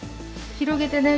広げてね